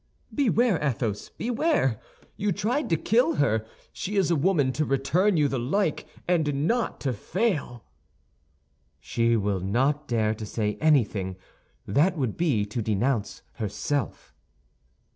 "Beware, Athos, beware. You tried to kill her; she is a woman to return you the like, and not to fail." "She will not dare to say anything; that would be to denounce herself."